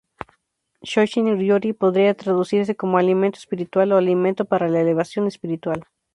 Shōjin-ryōri podría traducirse como 'alimento espiritual' o 'alimento para la elevación espiritual'.